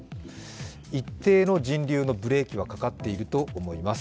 一定の人流のブレーキはかかっていると思います。